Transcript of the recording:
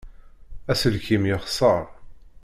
Aselkim yexseṛ.